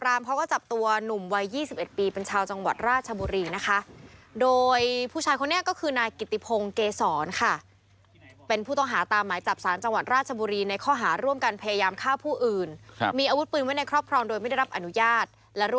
ตามจับตัวได้ปีนี้เนี้ยค่ะตำร